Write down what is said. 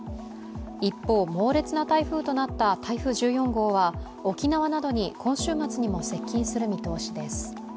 一方、猛烈な台風となった台風１４号は沖縄などに今週末にも接近する見通しです。